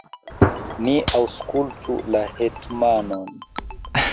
ni aŭskultu la hetmanon!